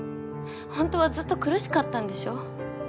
本当はずっと苦しかったんでしょ？